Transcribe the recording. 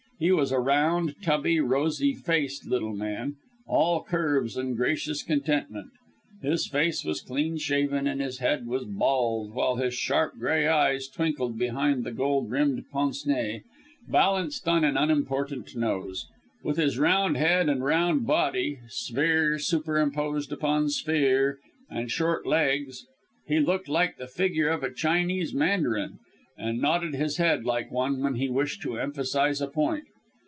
He was a round, tubby, rosy faced little man, all curves and gracious contentment. His face was clean shaven and his head was bald, while his sharp grey eyes twinkled behind golden rimmed pince nez, balanced on an unimportant nose. With his round head and round body sphere super imposed on sphere and short legs, he looked like the figure of a Chinese mandarin, and nodded his head like one when he wished to emphasise a point.